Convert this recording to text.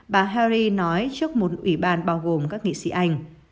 bà hari nói trước một ủy ban bao gồm các nghị sĩ anh